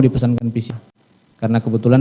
dipesankan pc karena kebetulan